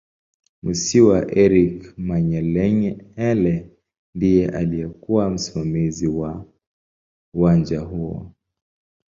Musiiwa Eric Manyelenyele ndiye aliyekuw msimamizi wa uwanja huo